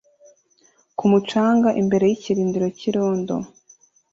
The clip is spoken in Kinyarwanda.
ku mucanga imbere yikirindiro cyirondo